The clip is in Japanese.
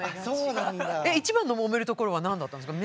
一番のもめるところは何だったんですか？